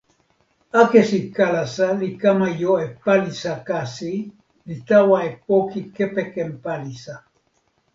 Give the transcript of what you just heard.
akesi Kalasa li kama jo e palisa kasi, li tawa e poki kepeken palisa.